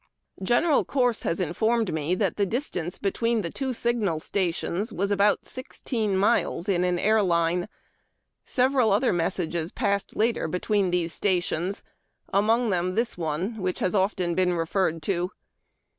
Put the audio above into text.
General Corse has informed me that the distance between the two signal stations was about sixteen miles in an air line. Several other messages passed later between these stations, among them this one, which has been often re ferred to :— At.